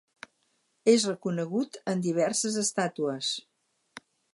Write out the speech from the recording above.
És reconegut en diverses estàtues.